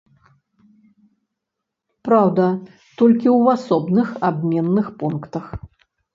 Праўда, толькі ў асобных абменных пунктах.